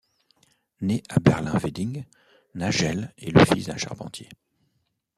Né à Berlin-Wedding, Nagel est le fils d'un charpentier.